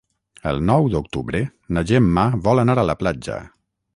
El nou d'octubre na Gemma vol anar a la platja.